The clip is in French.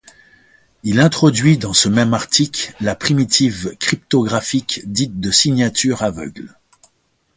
Il introduit dans ce même article la primitive cryptographique dite de signature aveugle.